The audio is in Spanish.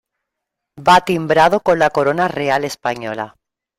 Va timbrado con la corona real española.